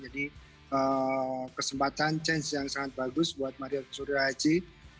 jadi kesempatan chance yang sangat bagus buat mario surya haji